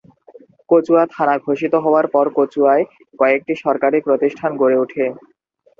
কচুয়া থানা ঘোষিত হওয়ার পর কচুয়ায় কয়েকটি সরকারি প্রতিষ্ঠান গড়ে উঠে।